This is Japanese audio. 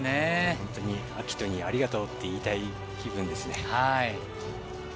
本当に暁斗にありがとうって言いたい気分ですね。